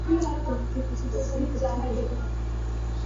তোমাকে কিছু ডাক্তারি করতে হবে।